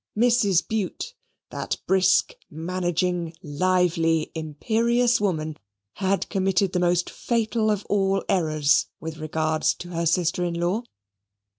Mrs. Bute, that brisk, managing, lively, imperious woman, had committed the most fatal of all errors with regard to her sister in law.